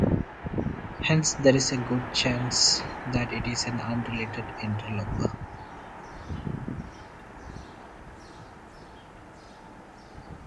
Hence, there is a good chance that it is an unrelated interloper.